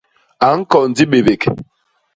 A ñkon dibébék.